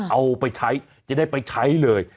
เอาไปใช้จะได้ไปใช้เลย